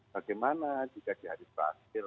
bagaimana jika di hadir prasil